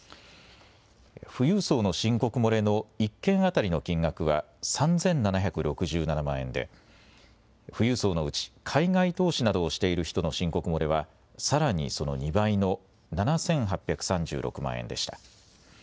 富裕層の申告漏れの１件当たりの金額は３７６７万円で富裕層のうち海外投資などをしている人の申告漏れはさらにその２倍の７８３６万円でした。